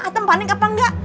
atem panik apa enggak